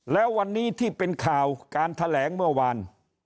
แล้ววันนี้ที่เป็นข่าวการแถลงเมื่อวาน